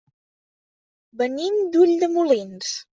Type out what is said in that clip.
Venim d'Ulldemolins.